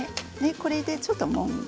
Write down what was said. これで、ちょっともんで。